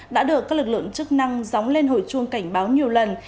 đã được các lực lượng chức năng dóng lên hồi chuông cảnh báo nhiều lần